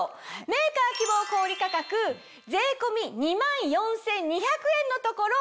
メーカー希望小売価格税込み２万４２００円のところ